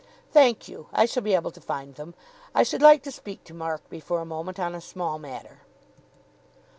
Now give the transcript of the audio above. "Thank you. I shall be able to find them. I should like to speak to Markby for a moment on a small matter."